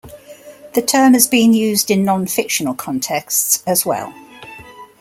The term has been used in non-fictional contexts as well.